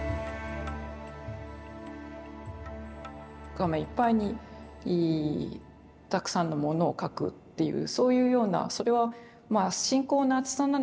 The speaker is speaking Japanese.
画面いっぱいにたくさんのものを描くっていうそういうようなそれは信仰のあつさなのか